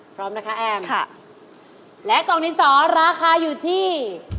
พร้อมนะคะแอมม์ค่ะแล้วกล้องดินสอราคาอยู่ที่